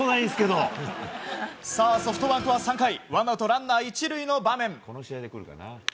ソフトバンクは３回ワンアウトランナー１塁の場面。